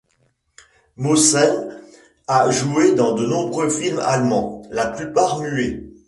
Mosheim a joué dans de nombreux films allemands, la plupart muets.